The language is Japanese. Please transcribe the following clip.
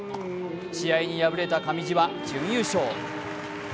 試合に敗れた上地は準優勝。